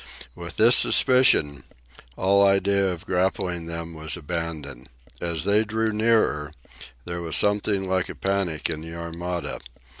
With this suspicion, all idea of grappling them was abandoned. As they drew nearer there was something like a panic in the Armada.